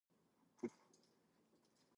Many ship based mounts also had splinter shields.